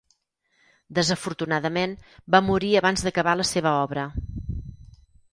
Desafortunadament va morir abans d'acabar la seva obra.